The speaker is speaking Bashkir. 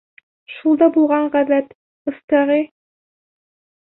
Шул да булған ғәҙәт, ыстағи.